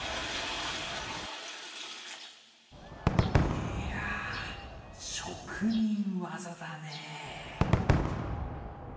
いや、職人技だね。